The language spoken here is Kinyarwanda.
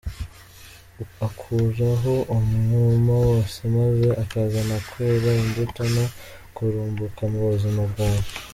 Akuraho umwuma wose maze akazana kwera imbuto no kurumbuka mu buzima bwawe.